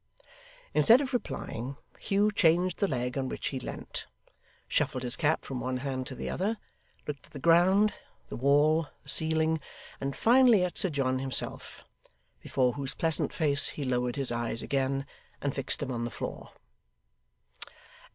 Instead of replying, Hugh changed the leg on which he leant, shuffled his cap from one hand to the other, looked at the ground, the wall, the ceiling, and finally at Sir John himself; before whose pleasant face he lowered his eyes again, and fixed them on the floor.